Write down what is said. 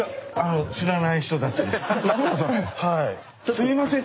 すいません。